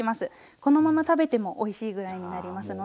このまま食べてもおいしいぐらいになりますので。